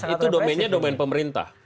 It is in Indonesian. itu domennya domen pemerintah